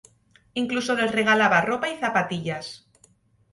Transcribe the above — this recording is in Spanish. Incluso les regalaba ropa y zapatillas.